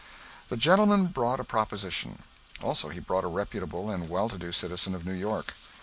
The gentleman brought a proposition; also he brought a reputable and well to do citizen of New York.